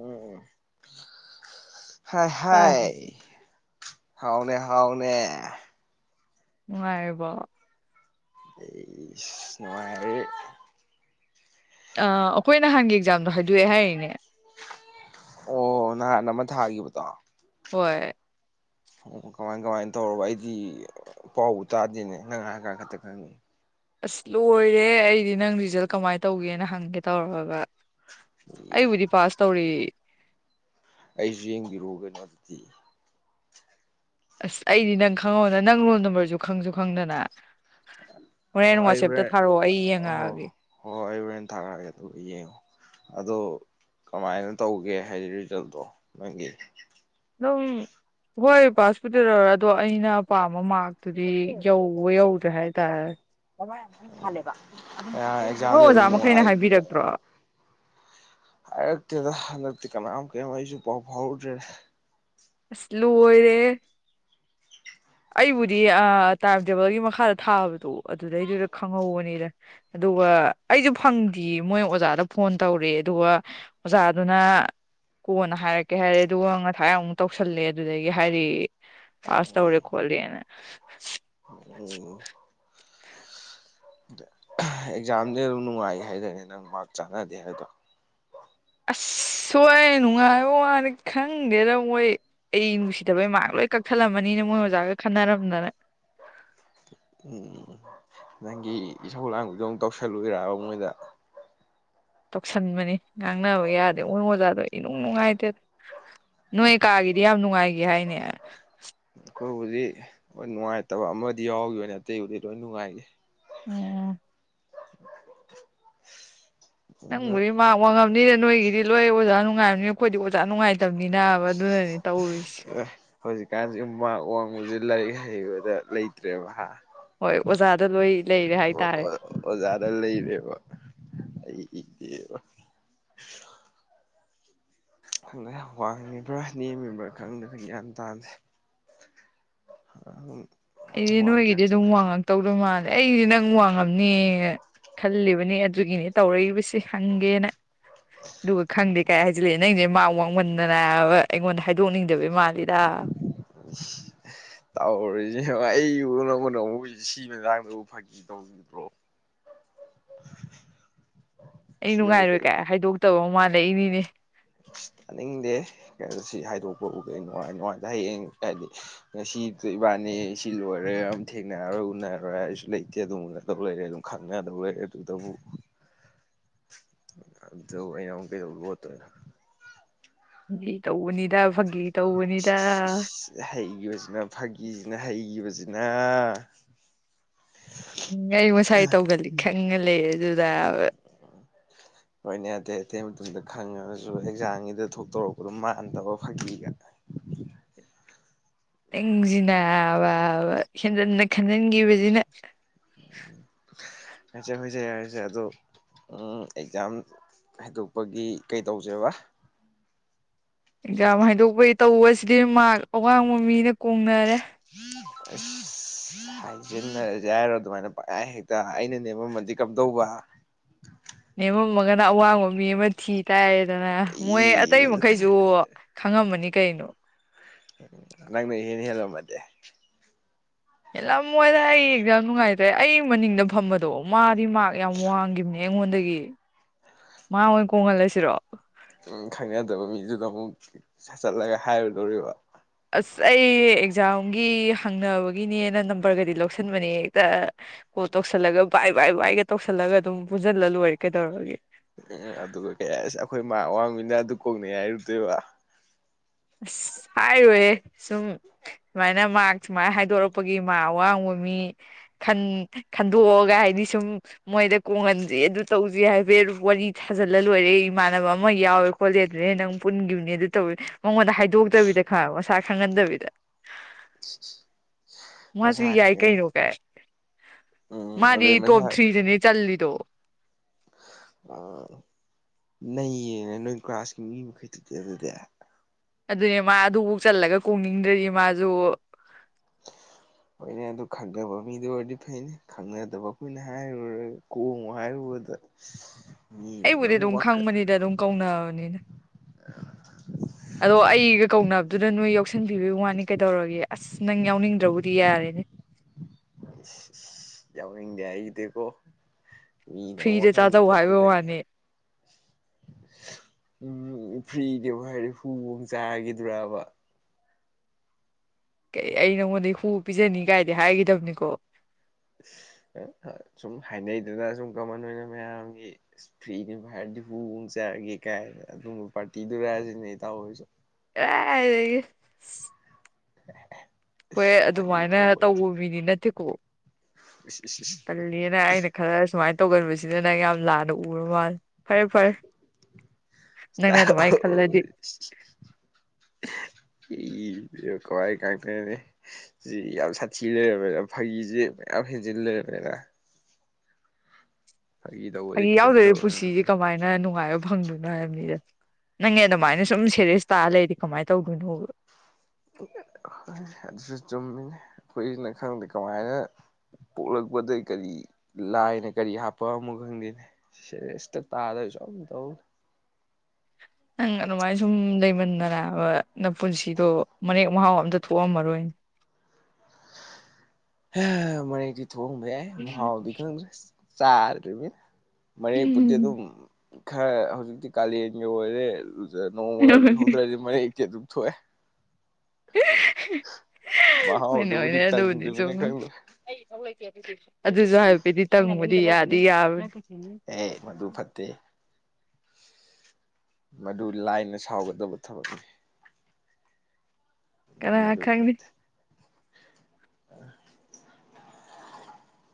ꯎꯝ ꯍꯥ ꯍꯥꯏ ꯄꯥꯏꯁꯤ ꯍꯥꯎꯅꯦ ꯍꯥꯎꯅꯦ ꯅꯨꯡꯉꯥꯏꯔꯤꯕ‌ꯣ ꯑꯩꯏꯁ ꯅꯨꯉꯥꯏꯔꯤ ꯑꯩꯈꯣꯏ ꯅꯍꯥꯟꯒꯤ ꯑꯦꯛꯖꯥꯝꯗꯣ ꯍꯥꯏꯗꯣꯛꯑꯦ ꯍꯥꯏꯔꯤꯅꯦ ꯑꯣ ꯅꯍꯥꯟ ꯑꯃ ꯊꯥꯈꯤꯕꯗꯣ ꯍꯣꯏ ꯑꯣ ꯀꯃꯥꯏ ꯀꯃꯥꯏꯅ ꯇꯧꯔꯕ ꯑꯩꯗꯤ ꯄꯥꯎꯕꯨ ꯇꯥꯗꯦꯅꯦ ꯅꯪ ꯍꯥꯏꯔꯀꯟꯗ ꯈꯛꯇ ꯈꯪꯉꯤ ꯑꯁ ꯂꯣꯏꯔꯦ ꯑꯩꯗꯤ ꯅꯪ ꯔꯤꯖꯜ ꯀꯃꯥꯏꯅ ꯇꯧꯒꯦꯅ ꯍꯪꯒꯦ ꯇꯧꯔꯒ ꯑꯩꯕꯨꯗꯤ ꯄꯥꯁ ꯇꯧꯔꯤ ꯑꯩꯁꯨ ꯌꯦꯡꯕꯤꯔꯛꯎ ꯀꯩꯅꯣ ꯑꯗꯨꯗꯤ ꯑꯁ ꯑꯩꯗꯤ ꯅꯪ ꯈꯪꯍꯧꯅ ꯅꯪ ꯔꯣꯜ ꯅꯝꯕꯔꯁꯨ ꯈꯪꯁꯨ ꯈꯪꯗꯅ ꯑꯣ ꯍꯣꯔꯦꯟꯦꯟ ꯑꯩ ꯋꯥꯆꯦꯞꯇ ꯍꯣꯔꯦꯟ ꯊꯥꯔꯛꯑꯣ ꯑꯩ ꯑꯣ ꯌꯦꯡꯉꯛꯑꯒꯦ ꯍꯣꯏ ꯍ ꯑꯩ ꯍꯣꯔꯦꯟ ꯊꯥꯔꯛꯑꯒꯦ ꯑꯗꯨꯒ ꯌꯦꯡꯉꯣ ꯑꯗꯣ ꯀꯃꯥꯏꯅ ꯇꯧꯒꯦ ꯍꯥꯏ ꯔꯤꯖꯜꯗꯣ ꯅꯪꯒꯤ ꯑꯗꯨꯝ ꯍꯣꯏ ꯄꯥꯁꯕꯨꯇꯤ ꯂꯧꯔꯦ ꯑꯗꯣ ꯑꯩꯅ ꯄꯥꯝꯕ ꯃꯥꯛꯇꯨꯗꯤ ꯌꯧꯕ ꯌꯧꯗ꯭ꯔꯦ ꯍꯥꯏꯇꯥꯔꯦ [unintelligible] ꯑꯦꯛꯖꯥꯝꯁꯦ ꯑꯗꯨꯝ ꯑꯣꯖꯥ ꯃꯈꯩꯅ ꯅꯨꯡꯉꯥꯏꯈꯤꯕ꯭ꯔꯥ ꯍꯥꯏꯕꯤꯔꯛꯇ꯭ꯔꯣ ꯍꯥꯏꯔꯛꯇꯦꯗ ꯍꯟꯗꯛꯇꯤ ꯀꯅꯥꯝ ꯀꯔꯤ ꯑꯩꯁꯨ ꯄꯥꯎ ꯐꯥꯎꯔꯗ꯭ꯔꯦ ꯑꯁ ꯂ‌ꯣꯏꯔ‌ꯦꯍ‌ꯦ ꯑꯩꯕꯨꯗꯤ ꯑꯥ ꯇꯥꯏꯝ ꯇꯦꯕꯜꯒꯤ ꯃꯈꯥꯗ ꯊꯥꯕꯗꯣ ꯑꯗꯨꯗꯩꯗꯨꯗ ꯈꯪꯍꯧꯕꯅꯤꯗ ꯑꯗꯨꯒ ꯑꯩꯁꯨ ꯐꯪꯗꯦ ꯃꯣꯏ ꯑꯣꯖꯥꯗ ꯐꯣꯟ ꯇꯧꯔꯦ ꯑꯗꯨꯒ ꯑꯣꯖꯥꯗꯨꯅ ꯀꯣꯟꯅ ꯍꯥꯏꯔꯛꯀꯦ ꯍꯥꯏꯔꯦ ꯑꯗꯨꯒ ꯉꯁꯥꯏ ꯑꯃꯨꯛ ꯇꯧꯁꯜꯂꯦ ꯑꯗꯨꯗꯒꯤ ꯍꯥꯏꯔꯦ ꯄꯥꯁ ꯇꯧꯔꯦ ꯈꯣꯠꯂꯦꯅ ꯎꯝ ꯑꯦꯛꯖꯥꯝꯗꯤ ꯑꯗꯨꯝ ꯅꯨꯡꯉꯥꯏ ꯍꯥꯏꯗꯥꯏꯅꯦ ꯅꯪ ꯃꯥꯛ ꯆꯥꯟꯅꯗꯦ ꯍꯥꯏꯗꯣ ꯑꯁ ꯁꯣꯏ ꯅꯨꯡꯉꯥꯏꯕ ꯋꯥꯅꯤ ꯈꯪꯗꯦꯗ ꯃꯣꯏ ꯑꯩ ꯅꯨꯡꯁꯤꯗꯕꯩ ꯃꯥꯛ ꯂꯣꯏ ꯀꯛꯊꯠꯂꯝꯃꯅꯤꯅꯦ ꯃꯣꯏ ꯑꯣꯖꯥꯒ ꯈꯟꯅꯔꯝꯗꯅ ꯎꯝ ꯅꯪꯒꯤ ꯏꯁꯧ ꯂꯥꯡꯕꯤꯗꯣ ꯑꯃꯨꯛ ꯇꯧꯁꯤꯜꯂꯨꯏꯔꯕ ꯃꯣꯏꯗ ꯇꯧꯁꯟꯕꯅꯤ ꯉꯥꯡꯅꯕ ꯌꯥꯗꯦ ꯃꯣꯏ ꯑꯣꯖꯥꯗꯣ ꯏꯅꯨꯡ ꯅꯨꯡꯉꯥꯏꯇꯦ ꯅꯣꯏ ꯀꯥꯒꯤ ꯗꯤ ꯌꯥꯝ ꯅꯨꯡꯉꯥꯏꯒꯤ ꯍꯥꯏꯅꯦ ꯑꯩꯈꯣꯏꯕꯨꯗꯤ ꯍꯣꯏ ꯅꯨꯡꯉꯥꯏꯇꯕ ꯑꯃꯗꯤ ꯌꯥꯎꯒꯤꯕꯅꯦ ꯑꯇꯩꯕꯨꯗꯤ ꯂꯣꯏ ꯅꯨꯉꯥꯏꯒꯤ [unintelligible] ꯑꯗꯨꯅ ꯅꯪꯕꯨꯗꯤ ꯃꯥꯛ ꯋꯥꯡꯉꯝꯅꯤꯅꯦ ꯅꯣꯏꯒꯤꯗꯤ ꯂꯣꯏ ꯑꯣꯖꯥ ꯅꯨꯡꯉꯥꯏꯕꯅꯤ ꯑꯩꯈꯣꯏꯗꯤ ꯑꯣꯖꯥ ꯅꯨꯡꯉꯥꯏꯇꯕꯅꯤꯅ ꯑꯗꯨꯅꯅꯦ ꯇꯧꯔꯤꯁꯦ ꯍꯧꯖꯤꯛꯀꯥꯟꯁꯤ ꯃꯥꯛ ꯋꯥꯡꯕꯖꯦ ꯂꯥꯏꯔꯤꯛ ꯍꯩꯕꯗ ꯂꯩꯇ꯭ꯔꯦꯕ ꯍꯥ ꯍꯣꯏ ꯑꯣꯖꯥꯗ ꯂꯣꯏ ꯂꯩꯔꯦ ꯍꯥꯏꯇꯥꯔꯦ ꯑꯣꯖꯥꯗ ꯂꯩꯔꯦꯕ ꯑꯩꯗꯤꯕ ꯈꯪꯗꯦ ꯋꯥꯡꯉꯤꯕ꯭ꯔꯥ ꯅꯦꯝꯃꯤꯕ꯭ꯔꯥ ꯈꯪꯗꯔꯦ ꯒ꯭ꯌꯥꯟ ꯇꯥꯗꯦ [inaudible] ꯑꯩꯗꯤ ꯅꯣꯏꯒꯤꯗꯤ ꯋꯥꯡꯖꯔꯁꯅꯨ ꯑꯗꯨꯝ ꯋꯥꯡꯉꯛ ꯇꯧꯗꯣꯏ ꯃꯥꯜꯂꯦ ꯑꯩꯗꯤ ꯅꯪ ꯋꯥꯡꯉꯝꯅꯦ ꯈꯜꯂꯤꯕꯅꯦ ꯑꯗꯨꯒꯤꯅꯦ ꯇꯧꯔꯛꯏꯕꯁ ꯍꯪꯒꯦꯅ ꯑꯗꯨꯒ ꯈꯪꯗꯦ ꯀꯥꯏ ꯍꯥꯏꯖꯤꯜꯂꯛꯑꯦ ꯅꯪꯖꯦ ꯃꯛ ꯋꯥꯡ ꯃꯟꯗꯅꯕ ꯑꯩꯉꯣꯟꯗ ꯍꯥꯏꯗꯣꯛꯅꯤꯡꯗꯕꯩ ꯃꯥꯜꯂꯤꯗ ꯇꯧꯔꯤꯁꯦ ꯌꯦꯡꯉꯣ ꯑꯩꯕꯨ ꯅꯉꯣꯟꯗ ꯑꯃꯨꯛ ꯁꯤ ꯃꯇꯥꯡꯗꯕꯨ ꯐꯥꯒꯤ ꯇꯧ [inaudible] ꯑꯩ ꯁꯤꯗꯕꯨ ꯅꯨꯡꯉꯥꯏꯔꯣꯏ ꯀꯩ ꯀꯥꯏ ꯍꯥꯏꯗꯣꯛꯇꯕ ꯃꯥꯜꯂꯛꯏꯅꯤꯅꯦ ꯇꯥꯅꯤꯡꯗꯦꯍꯦ ꯀꯩꯅꯣ ꯁꯤ ꯍꯥꯏꯗꯣꯛꯄꯕꯨ ꯀꯩ ꯅꯨꯡꯉꯥꯏ ꯅꯨꯡꯉꯥꯏꯇꯦ ꯍꯌꯦꯡ ꯍꯥꯏꯗꯤ ꯁꯤ ꯏꯕꯥꯅꯤ ꯁꯤ ꯂꯣꯏꯔꯦ ꯑꯗꯨꯝ ꯊꯦꯡꯅꯔꯔꯣꯏ ꯎꯅꯔꯣꯏ ꯍꯥꯏꯁꯨ ꯂꯩꯇꯦ ꯑꯗꯨꯝ ꯌꯅꯗꯧ ꯂꯩꯔꯦ ꯑꯗꯨꯝ ꯈꯪꯅꯥꯗꯧ ꯂꯩꯔꯦ ꯑꯗꯨꯗꯕꯨ ꯑꯗꯨꯗꯕꯨ ꯑꯩꯅ ꯑꯃꯨꯛ ꯀꯩꯗꯧ ꯂꯣꯠꯇꯣꯏꯅꯣ ꯐꯥꯒꯤ ꯇꯧꯕꯅꯤꯗ ꯐꯥꯒꯤ ꯇꯧꯕꯅꯤꯗ ꯍꯩꯒꯤꯕꯁꯤꯅ ꯐꯥꯒꯤꯖꯤꯅ ꯍꯩꯒꯤꯕꯁꯤꯅ ꯑꯩ ꯃꯁꯥꯏ ꯇꯧꯒꯜꯂꯤ ꯈꯪꯉꯥ ꯂꯩꯔꯗꯨꯗꯕ ꯍꯣꯏꯅꯦ ꯑꯇꯩ ꯑꯇꯩ ꯃꯇꯝꯗ ꯈꯪꯉꯒꯁꯨ ꯑꯦꯛꯖꯥꯝꯒꯤꯗ ꯊꯣꯛꯇꯧꯔꯛꯄꯗꯣ ꯃꯥꯟꯗꯕ ꯐꯥꯒꯤꯒ [unintelligible] ꯅꯪꯖꯤꯅꯥꯕꯕ ꯍꯦꯟꯖꯟꯅ ꯈꯟꯖꯟꯒꯤꯕꯖꯤꯅ ꯍꯣꯏꯁꯦ ꯍꯣꯏꯁꯦ ꯌꯥꯔꯦꯁꯦ ꯑꯗꯣ ꯎꯝ ꯑꯦꯛꯖꯥꯝ ꯍꯥꯏꯗꯣꯛꯄꯒꯤ ꯀꯩ ꯇꯧꯁꯦꯕ ꯑꯦꯛꯖꯥꯝ ꯍꯥꯏꯗꯣꯛꯄꯩ ꯇꯧꯕꯁꯤꯗꯤ ꯃꯥꯛ ꯑꯋꯥꯡꯕ ꯃꯤꯅ ꯀꯣꯡꯅꯔꯦ [unintelligible] ꯍꯥꯏꯖꯤꯟꯅꯔꯖꯦ ꯍꯥꯏꯔꯣ ꯑꯗꯨꯃꯥꯏꯅ ꯄꯪꯍꯥꯏ ꯍꯦꯛꯇ ꯑꯩꯅ ꯅꯦꯝꯃꯝꯃꯗꯤ ꯀꯝꯗꯧꯕ ꯅꯦꯝꯃꯝꯃꯒꯅ ꯑꯋꯥꯡꯕ ꯃꯤ ꯑꯃ ꯊꯤ ꯇꯔꯦꯗꯅ ꯃꯣꯏ ꯏ ꯑꯇꯩ ꯃꯈꯩꯁꯨ ꯈꯪꯉꯝꯃꯅꯤ ꯀꯩꯅꯣ ꯅꯪꯅ ꯏꯍꯦꯟ ꯍꯦꯜꯂꯝꯃꯗꯤ ꯍꯦꯜꯂꯝꯃꯣꯏꯗ ꯑꯩ ꯑꯦꯛꯖꯝ ꯅꯨꯡꯉꯥꯏꯇꯦ ꯑꯩ ꯃꯅꯤꯡꯗ ꯐꯝꯕꯗꯣ ꯃꯥꯗꯤ ꯃꯥꯥꯛ ꯌꯥꯝ ꯋꯥꯡꯒꯤꯕꯅꯦ ꯑꯩꯉꯣꯟꯗꯒꯤ ꯃꯥ ꯑꯣꯏꯟ ꯀꯣꯡꯍꯜꯂꯁꯤꯔꯣ ꯎꯝ ꯈꯪꯅꯗꯕ ꯃꯤꯗꯨꯗ ꯑꯃꯨꯛ ꯁꯠꯆꯜꯂꯒ ꯍꯥꯏꯔꯨꯗꯣꯔꯤꯕ ꯑꯁ ꯑꯩ ꯑꯦꯛꯖꯥꯝꯒꯤ ꯍꯪꯅꯕꯒꯤꯅꯦꯅ ꯅꯝꯕꯔꯒꯗꯤ ꯂꯧꯁꯟꯕꯅꯦ ꯍꯦꯛꯇ ꯀꯣꯜ ꯇꯧꯁꯜꯂꯒ ꯚꯏ ꯚꯏ ꯚꯏꯒ ꯇꯧꯁꯜꯂꯒ ꯑꯗꯨꯝ ꯄꯨꯟꯖꯜꯂ ꯂꯣꯏꯔꯦ ꯀꯩꯗꯧꯔꯒꯦ ꯎꯝ ꯑꯗꯨꯒ ꯀꯩ ꯍꯥꯏ ꯑꯁ ꯑꯩꯈꯣꯏ ꯃꯥꯛ ꯑꯋꯥꯡꯕꯤꯅ ꯑꯗꯨ ꯀꯣꯡꯅꯩ ꯍꯥꯏꯔꯨꯗꯣꯏꯕ ꯑꯁ ꯍꯥꯏꯔꯣꯏꯍꯦ ꯁꯨꯝ ꯁꯨꯃꯥꯏꯅ ꯃꯥ ꯁꯨꯃꯥꯏꯅ ꯍꯥꯏꯗꯣꯔꯛꯄꯒꯤ ꯃꯥ ꯑꯋꯥꯡꯕ ꯃꯤ ꯟ ꯈꯟꯗꯣꯛꯑꯒ ꯍꯥꯏꯗꯤ ꯁꯨꯝ ꯃꯣꯏꯗ ꯀꯣꯡꯒꯟꯁꯦ ꯑꯗꯨ ꯇꯧꯁꯦ ꯍꯥꯏꯕꯦ ꯋꯥꯔꯤ ꯊꯥꯖꯜꯂ ꯂꯣꯏꯔꯦ ꯏꯃꯥꯟꯅꯕ ꯑꯃ ꯌꯥꯎꯋꯦ ꯈꯣꯠꯂꯦꯗꯦ ꯅꯪ ꯄꯨꯟꯈꯤꯕꯅꯦ ꯑꯗꯨ ꯇꯧꯋꯦ ꯃꯉꯣꯟꯗ ꯍꯥꯏꯗꯣꯛꯇꯕꯤꯗ ꯈꯔ ꯃꯁꯥ ꯈꯪꯍꯟꯗꯕꯤꯗ ꯃꯁꯥ ꯃꯥꯁꯨ ꯌꯥꯏ ꯈꯪꯉꯦ ꯀꯩꯅꯣ ꯀ ꯎꯝ ꯃꯥꯗꯤ ꯑꯗꯩ ꯇꯣꯞ ꯃꯁꯥ ꯊ꯭ꯔꯤꯁꯤꯅꯦ ꯆꯜꯂꯤꯜꯂꯤꯗꯣ ꯑ ꯅ ꯌꯦꯡꯉꯦ ꯅꯣꯏ ꯀ꯭ꯂꯥꯁꯀꯤ ꯃꯤ ꯃꯈꯩꯗꯨꯗꯤ ꯑꯗꯨꯗꯤ ꯑꯗꯨꯅꯦ ꯃꯥ ꯑꯗꯨꯐꯧ ꯆꯜꯂꯒ ꯀꯣꯡꯅꯤꯡꯗ꯭ꯔꯗꯤ ꯃꯥꯁꯨ [unintelligible] ꯍꯣꯏꯅꯦ ꯑꯗꯨ ꯈꯪꯅꯕ ꯃꯤꯗꯨ ꯑꯣꯏꯔꯗꯤ ꯐꯩꯅꯦ ꯈꯪꯅꯗꯕ ꯑꯩꯈꯣꯏꯅ ꯍꯥꯏꯔꯨꯔꯒ ꯀꯣꯡꯉꯣ ꯍꯥꯏꯔꯨꯕꯗ [unintelligible] ꯑꯩꯕꯨꯗꯤ ꯑꯃꯨꯛ ꯑꯗꯨꯝ ꯋꯥꯀꯠ ꯈꯪꯕꯅꯤꯗ ꯑꯗꯨꯝ ꯀꯧꯔꯕꯅꯤꯅ ꯑꯗꯣ ꯃꯣꯏꯅ ꯑꯩꯒ ꯀꯧꯅꯕꯗꯨꯅ ꯅꯣꯏ ꯌꯥꯎꯁꯟꯕꯤꯕ ꯋꯥꯅꯤ ꯀꯩꯗꯧꯔꯒꯦ ꯑꯁ ꯅꯪ ꯌꯥꯎꯅꯤꯡꯗ꯭ꯔꯕꯨꯗꯤ ꯌꯥꯔꯦꯅꯦ ꯌꯥꯎꯅꯤꯡ ꯌꯥ ꯏꯗꯀꯣ ꯃꯤ ꯅꯃ ꯐ꯭ꯔꯤꯗ ꯐꯅꯤ ꯆꯥꯖꯧ ꯍꯥꯏꯕ ꯐꯠꯇꯒ ꯋꯥꯅꯤ ꯎꯝ ꯐ꯭ꯔꯤꯅꯦꯕ ꯍꯥꯏꯔꯦ ꯍꯨꯕ ꯆꯥꯈꯤꯗ꯭ꯔꯕ ꯀ ꯑꯩ ꯅꯪꯉꯣꯟꯗꯩ ꯍꯨ ꯄꯤꯖꯅꯤ ꯀꯥꯏꯗꯤ ꯍꯥꯏꯈꯤꯗꯕꯅꯤꯀꯣ ꯁꯨꯝ ꯍꯥꯏꯅꯩꯗꯅ ꯁꯨꯝ ꯀꯃꯟ ꯑꯣꯏꯅ ꯃꯌꯥꯝꯒꯤ ꯐ꯭ꯔꯤꯅꯤ ꯐꯚꯔꯗꯤ ꯍꯨꯣꯡ ꯆꯔꯒꯦ ꯀꯥꯏ ꯑꯗꯨ ꯄꯥꯔꯇꯤꯗꯨꯔꯛꯑꯁꯤꯅꯦ ꯇꯥꯣꯏꯁꯨ ꯑꯦꯔꯒ ꯑꯗꯨꯝ ꯍꯈꯣꯏ ꯑꯗꯨꯃꯥꯏꯅ ꯇꯧꯕ ꯃꯤꯅꯤ ꯅꯠꯇꯦꯀꯣ [unintelligible] ꯀꯜꯂꯤꯅ ꯑꯩꯅ ꯈꯔ ꯁꯨꯃꯥꯏꯅ ꯇꯧꯒꯟꯕꯁꯤꯗ ꯅꯪ ꯌꯥꯝ ꯂꯥꯟꯅ ꯎꯔꯕ ꯃꯥꯂꯦ ꯐꯔꯦ ꯐꯔꯦ ꯅꯪꯅ ꯑꯗꯨꯃꯥꯏ ꯈꯜꯂꯗꯤ ꯏ ꯀꯋꯥꯏ ꯀꯇꯅꯦ ꯁꯤ ꯌꯥꯝ ꯁꯥꯊꯤ ꯂꯩꯔꯕꯃꯦꯅ ꯐꯥꯒꯤꯁꯤ ꯃꯌꯥꯝ ꯍꯦꯟꯖꯤꯟ ꯂꯩꯔꯕꯅꯤꯅ ꯐꯥꯒꯤ ꯇꯧꯕꯁꯦ ꯑꯩ ꯈꯤꯇꯪꯗ ꯌꯥꯎꯗꯔꯤꯦ ꯄꯨꯟꯁꯤꯁꯦ ꯑꯣꯏꯔꯝꯗꯦ ꯀꯃꯥꯏꯅ ꯅꯨꯡꯉꯥꯏꯕ ꯐꯪꯗꯣꯏꯅ ꯍꯥꯏꯕ ꯃꯤꯗ ꯅꯪꯉ ꯑꯗꯨꯃꯥꯏꯅ ꯁꯨꯝꯦ ꯇꯥ ꯂꯩꯗꯤ ꯀꯃꯥꯏꯅ ꯇꯧꯗꯣꯏꯅꯣꯕ ꯑꯗꯨꯁꯨ ꯆꯨꯝꯃꯤꯅꯦ ꯑꯩꯈꯨꯏꯅ ꯈꯪꯗꯦ ꯀꯃꯥꯏꯅ ꯄꯣꯛꯂꯛꯄꯗ ꯀꯔꯤ ꯂꯥꯏꯅ ꯀꯔꯤ ꯍꯥꯞꯄ ꯑꯃ ꯈꯪꯗꯦꯅꯦ ꯁꯤꯦꯁ ꯇ ꯇꯥꯔ ꯆꯝꯗꯧ ꯅꯪ ꯑꯗꯨꯃꯥꯏꯅ ꯁꯨꯝ ꯂꯩꯃꯤꯟꯅꯔꯕ ꯅꯪ ꯄꯨꯟꯁꯤꯗꯣ ꯃꯔꯦꯛ ꯃꯍꯥꯎ ꯑꯝꯇ ꯊꯣꯛꯑꯝꯃꯔꯣꯏꯅꯦ ꯃꯅꯤꯒꯤ ꯊ ꯍ ꯃ ꯃꯑꯣ ꯀꯒ꯭ꯔꯦꯁ ꯆ ꯃꯅꯤ ꯄꯨꯗꯤ ꯑꯗꯨꯝ ꯈꯔ ꯍꯧꯖꯤꯛꯇꯤ ꯀꯥꯂꯦꯟꯒꯤ ꯑꯣꯏꯔꯦ ꯅꯣꯡꯃꯒ ꯂꯨꯖꯍꯧꯗ꯭ꯔꯗꯤ ꯃꯔꯛꯇꯤ ꯑꯗꯨꯝ ꯊꯣꯛꯑꯦ ꯃꯥ ꯍꯣꯏꯅꯦ ꯑꯗꯨꯗꯕꯨꯗꯤ ꯍꯣꯏꯅꯦ ꯑꯗꯨꯕꯨꯗꯤ ꯇꯗꯃꯤꯅꯦ ꯆꯨꯝꯃꯤ ꯈꯔ ꯑꯗꯨꯁꯨ ꯍꯥꯏꯕ ꯄꯗꯤ ꯇꯪꯕꯗꯤ ꯌꯥꯗꯤ ꯌꯥꯕ ꯑꯦ ꯃꯗꯨ ꯐꯠꯇꯦ ꯃꯗꯨ ꯂꯥꯏꯅ ꯁꯥꯎꯒꯗꯕ ꯊꯕꯛꯅꯤ ꯀꯅꯥ ꯃꯗꯨ ꯈꯪꯅꯤ ꯐꯔꯠꯇ ꯑ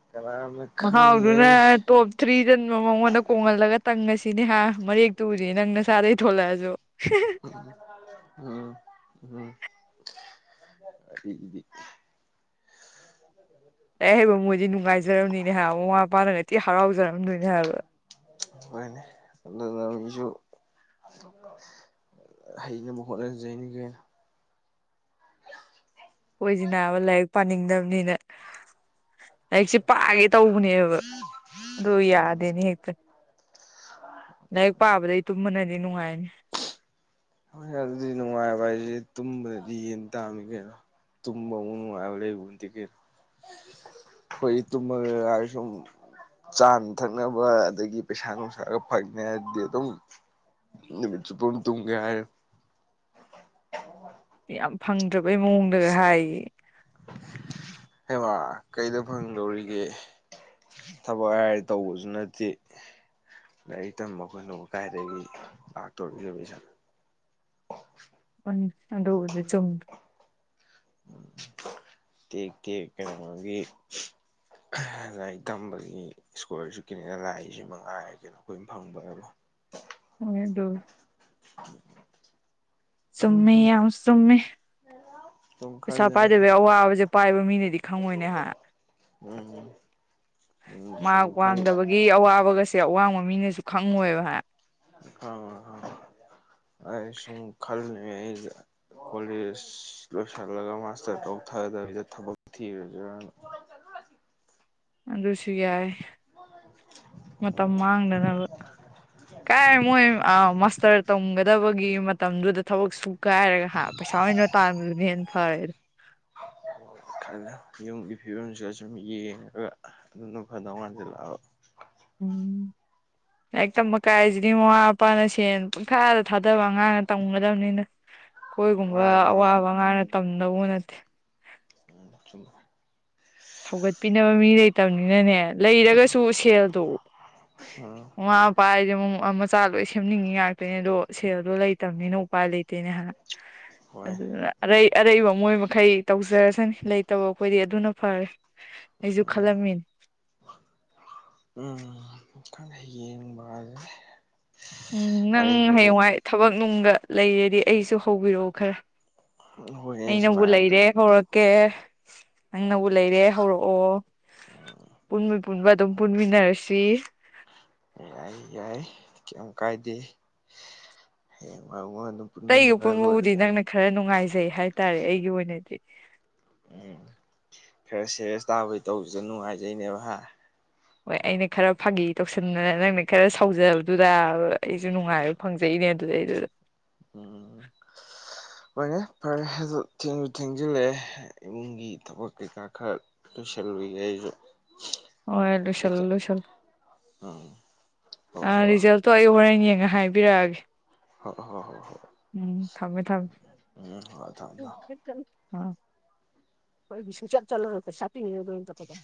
ꯀꯔ ꯍꯥꯎꯗ ꯅ ꯇꯣꯞ ꯊ꯭ꯔꯤꯗ ꯃꯉꯣꯟꯗ ꯀꯣꯡꯍꯜꯂꯒ ꯇꯪꯉꯁꯤꯅꯦ ꯍꯥ ꯃꯔꯦꯛꯇꯨ ꯎꯔꯤ ꯅꯪ ꯅꯁꯥꯗꯒꯤꯩ ꯊꯣꯛꯣꯂꯛꯑꯁꯨ [unintelligible] ꯎꯝ ꯎꯝ ꯑꯩ ꯍꯕ ꯃꯣꯏꯗꯤ ꯅꯨꯡꯉꯥꯏꯖꯔꯝꯅꯤꯅꯦ ꯍꯥꯏ ꯃꯃꯥ ꯃꯄꯥꯅꯇꯤ ꯍꯔꯥꯎꯖꯔꯝꯗꯣꯏꯅꯦ ꯍꯥꯏꯕꯗꯣ ꯅꯦ ꯍꯩꯅꯅꯕ ꯍꯣꯠꯅꯖꯅꯤ ꯀꯅ ꯑꯣꯏꯣꯏꯁꯤꯅꯥꯕ ꯂꯥꯏꯔꯤꯛ ꯄꯥꯅꯤꯡꯗꯕꯅꯤꯅ ꯍꯛꯁꯦ ꯄꯥꯒꯦ ꯇꯧꯕꯅꯦꯕ ꯑꯗꯨ ꯌꯥꯗꯦꯅꯦ ꯍꯦꯛꯇ ꯑ ꯂꯥꯏꯔꯤꯛ ꯄꯥꯕꯗꯩ ꯇꯨꯝꯃꯅꯗꯤ ꯅꯨꯡꯉꯥꯏꯅꯤ ꯍꯣꯏ ꯑꯗꯨꯗꯤ ꯅꯨꯡꯉꯥꯏꯕ ꯍꯥꯏꯁꯦ ꯇꯨꯝꯕꯗꯗꯤ ꯌꯦꯟ ꯇꯥꯝꯃꯤ ꯀꯩꯅꯣ ꯇꯨꯝꯝꯕ ꯎ ꯍꯦ ꯍꯟꯗꯒꯦꯔ ꯍꯣꯏ ꯇꯃꯁꯨ ꯆꯥꯅ ꯊꯛꯅꯕ ꯑꯗꯒꯤ ꯄꯩꯁꯥ ꯅꯨꯡꯁꯥꯒ ꯐꯪꯅꯤ ꯍꯥꯏꯗꯤ ꯑꯗꯨꯝ ꯅꯨꯃꯤꯠꯁꯨ ꯄꯟ ꯇꯨꯒꯦꯏ ꯌꯥꯝ ꯐꯪꯗ꯭ꯔꯕꯩ ꯃꯑꯣꯡꯗ ꯍꯥꯏ ꯍꯦꯃ ꯀꯩꯗ ꯐꯪꯗꯧꯔꯤꯒꯦ ꯊꯕꯛ ꯍꯥꯏꯔ ꯇꯧꯕꯁꯨ ꯅꯠꯇꯦ ꯂꯥꯏꯔꯤꯛ ꯇꯝꯕ ꯑꯩꯈꯣꯏꯅꯣꯡ ꯀꯥꯏꯗꯒꯤ ꯂꯥꯛꯇꯧꯔꯛꯗꯕ ꯏꯁꯥ ꯑꯣꯟ ꯆꯗꯦ ꯆꯨꯝ ꯊ ꯀꯦ ꯀꯃꯒꯤ ꯂꯥꯏꯔꯤꯛ ꯇꯝꯕꯒꯤ ꯏꯁꯀꯣꯔꯁꯨ ꯀꯅꯦ ꯂꯥꯏꯁꯤ ꯃꯉꯥ ꯍꯥꯏꯔ ꯀꯩꯅꯣ ꯑꯩꯈꯣꯏ ꯐꯪꯕꯅꯦꯕ ꯍꯣꯏ ꯑꯗꯨꯣ [unintelligible] ꯈꯪ ꯁꯨꯝꯃꯦ ꯁꯨꯝ ꯌꯥꯝ ꯆꯨꯝꯃꯦ ꯁꯨꯝ ꯄꯩꯁꯥ ꯈꯜꯂꯦ ꯄꯥꯏꯗꯕꯒꯤ ꯑꯋꯥꯕꯁꯦ ꯄꯥꯏꯕ ꯃꯤꯅꯗꯤ ꯈꯪꯉꯣꯏꯅꯦ ꯍꯥꯏ ꯎꯝ ꯎꯝ ꯁꯪꯈꯥꯏ ꯒꯤ ꯑꯋꯥꯕꯒꯁꯦ ꯑꯋꯥꯡꯕ ꯃꯤꯅꯁꯨ ꯈꯪꯉꯣꯏꯕ ꯍꯥꯏ ꯍ ꯑꯩꯁꯨꯨꯝ ꯈꯔ ꯀꯣ ꯂ ꯁ ꯃꯥꯇꯣꯛ ꯊ ꯊ ꯑꯗꯨꯁꯨ ꯌꯥꯏ ꯃꯇꯝ ꯎꯝ ꯃꯥꯡꯗꯅꯕ ꯀꯥꯏ ꯃꯣꯏ ꯑ ꯃꯥꯁꯇꯔ ꯇꯝꯒꯗꯕꯒꯤ ꯃꯇꯝꯗꯨꯗ ꯊꯕꯛ ꯁꯨ ꯀꯥꯏꯔꯒ ꯍꯥ ꯄꯩꯁꯥ ꯑꯣꯏꯅ ꯇꯥꯟꯕꯗꯨꯅ ꯍꯦ ꯐꯔꯦ ꯊꯪ ꯌꯨꯝꯒꯤ ꯐꯤꯕꯝꯁꯤꯒ ꯁꯨꯝ ꯌꯦꯡꯉꯒ ꯑꯗꯨꯅꯝ ꯐꯗꯧꯀꯥꯟꯁꯤꯜꯂꯥꯛꯑꯕ ꯎꯝ ꯂꯥꯏꯔꯤꯛ ꯇꯝꯕ ꯀꯥꯏꯔꯤꯁꯤꯗꯤ ꯃꯃꯥ ꯃꯄꯥꯅ ꯁꯦꯟ ꯄꯨꯡꯈꯥꯗ ꯊꯥꯗꯕ ꯑꯉꯥꯡꯅ ꯇꯝꯒꯗꯕꯅꯤꯅ ꯀꯣꯏꯒꯨꯝꯕ ꯃꯥꯅꯤ ꯃꯥꯅꯤ ꯑꯋꯥꯕ ꯉꯥꯅ ꯇꯝꯗꯕꯨ ꯅꯠꯇꯦ ꯎꯨꯝ ꯊꯧꯒꯠꯄꯤꯅꯕ ꯃꯤ ꯂꯩꯇꯕꯅꯤꯅꯅꯦ ꯂꯩꯔꯒꯁꯨ ꯁꯦꯜꯗꯣ ꯎꯝ ꯃꯃꯥ ꯃꯄꯥ ꯍꯥꯏꯗꯤꯦ ꯑꯃꯛ ꯃꯆꯥ ꯂꯣꯏ ꯁꯦꯝꯅꯤꯡꯉꯤ ꯉꯥꯛꯇꯣꯏꯅꯦ ꯑꯗꯣ ꯁꯦꯜꯗꯣ ꯂꯩꯇꯕꯅꯤꯅ ꯎꯄꯥꯏ ꯂꯩꯇꯦꯅꯦ ꯍꯣꯏ ꯑꯗꯨꯗꯨꯅ ꯑꯔꯩ ꯑꯔꯩꯕ ꯃꯣꯏ ꯃꯈꯩ ꯇꯧꯖꯔꯁꯅꯤ ꯂꯩꯇꯕ ꯑꯩꯈꯣꯏꯗꯤ ꯑꯗꯨꯅ ꯐꯔꯦ ꯑꯩꯁꯨ ꯎꯝ ꯈꯜꯂꯝꯃꯤꯅꯤ ꯎꯝꯪ ꯌꯦꯡꯕ ꯑꯗꯨ ꯎꯝ ꯅꯪ ꯍꯌꯦꯡꯋꯥꯏ ꯊꯕꯛ ꯅꯨꯡꯗ ꯂꯩꯔꯗꯤ ꯑꯩꯁꯨ ꯍꯧꯕꯤꯔꯛꯑꯣ ꯈꯔ ꯍꯣꯏꯅꯦ ꯑꯩꯅꯕꯨ ꯁꯨꯃꯥꯏꯅ ꯗꯨ ꯂꯩꯔꯦ ꯍꯧꯔꯛꯀꯦ ꯅꯪꯅꯕꯨ ꯂꯩꯔꯦ ꯍꯧꯔꯛꯑꯣ ꯄꯨꯟꯃꯤ ꯄꯨꯟꯕ ꯑꯗꯨꯝ ꯄꯨꯟꯃꯤꯟꯅꯔꯁꯤ ꯌꯥꯏ ꯌꯥꯏ ꯌꯥꯝ ꯀꯥꯏꯗꯦ ꯍꯌꯦꯡ ꯃꯔ ꯑꯗꯨꯝ ꯑꯩꯇꯩꯒꯤ ꯄꯨꯟꯃꯤꯟꯅꯔꯒ ꯈꯨꯡꯎꯕꯨꯗꯤ ꯂꯣꯏꯔꯒꯦ ꯅꯪꯅ ꯈꯔ ꯅꯨꯡꯉꯥꯏꯖꯩ ꯍꯥꯏꯇꯥꯔꯦ ꯑꯩꯒꯤ ꯑꯣꯏꯅꯗꯤ ꯎꯝ ꯈꯔ ꯁꯦꯔꯦꯁ ꯇꯥꯕꯩ ꯇꯧꯕꯁꯨ ꯅꯨꯡꯉꯥꯏꯖꯩꯅꯦꯕ ꯍꯥꯏ ꯍꯣꯏ ꯑꯩꯅ ꯈꯔ ꯐꯥꯒꯤ ꯇꯧꯁꯟꯗꯅ ꯅꯪꯅ ꯈꯔ ꯁꯧꯖꯕꯗꯨꯗ ꯑꯩꯁꯨ ꯅꯨꯡꯉꯥꯏꯔ ꯐꯪꯖꯩꯅꯦ ꯑꯗꯨꯗꯩꯗꯨꯗ ꯎꯝ ꯍꯣꯏꯅꯦ ꯐꯔꯦꯁꯨ ꯊꯦꯡꯖꯤꯜꯂꯛꯑꯦ ꯏꯃꯨꯡꯒꯤ ꯊꯕꯛ ꯀꯩꯀꯥ ꯈꯔ ꯂꯣꯢꯁꯤꯟꯂꯨꯈꯤꯒꯦ ꯑꯩꯁꯨ ꯍꯣꯢ ꯂꯣꯏꯁꯤꯜꯂꯣ ꯑꯦꯛꯖꯥꯝ ꯂꯣꯏꯁꯤꯜꯂꯣ ꯎꯝ ꯍꯣ ꯍꯣ ꯔꯤꯖꯜꯇꯣ ꯑꯩ ꯍꯣꯔꯦꯟ ꯌꯦꯡꯉ ꯍꯥꯏꯕꯤꯔꯛꯑꯒꯦ ꯍꯣꯏ ꯍꯣꯏ ꯍꯣꯏ ꯍꯣꯏ ꯎꯝ ꯊꯝꯃꯦ ꯊꯝꯃꯦ ꯎꯝ ꯍꯣꯏ ꯊꯝꯃꯦ ꯊꯝꯃꯦ ꯑꯩꯣꯏ ꯁꯆꯠ ꯆꯂꯔꯣ ꯁꯥꯄꯤꯣ [inaudible]